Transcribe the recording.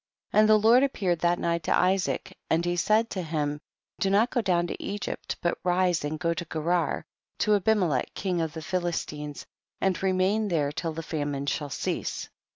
2. And the Lord appeared that night to Isaac and he said to him, do not go down to Egypt hut rise and go to Gerar, to Abimelech king of the Philistines, and remain there till the famine shall cease.